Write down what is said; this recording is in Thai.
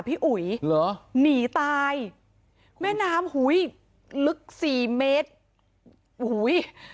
พี่อุ๋ยเหรอหนีตายแม่น้ำหุ้ยลึกสี่เมตรอุ้ย